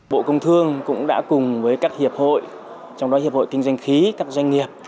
bộ công thương cũng đã cùng với các hiệp hội trong đó hiệp hội kinh doanh khí các doanh nghiệp